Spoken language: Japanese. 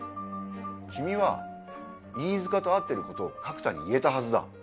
君は飯塚と会ってることを角田に言えたはずだ。